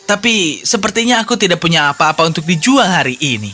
tapi sepertinya aku tidak punya apa apa untuk dijual hari ini